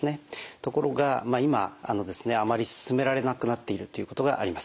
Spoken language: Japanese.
ところが今あのですねあまり勧められなくなっているっていうことがあります。